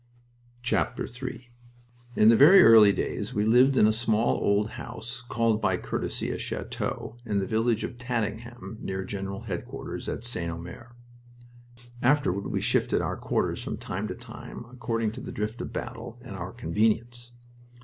III In the very early days we lived in a small old house, called by courtesy a chateau, in the village of Tatinghem, near General Headquarters at St. Omer. (Afterward we shifted our quarters from time to time, according to the drift of battle and our convenience.)